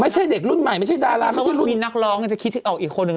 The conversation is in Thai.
ไม่ใช่เด็กรุ่นใหม่ไม่ใช่ดาราไม่ใช่ลูกมีนักร้องจะคิดออกอีกคนหนึ่ง